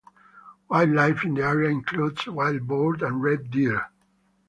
Wildlife in the area includes Wild Boar and Red Deer.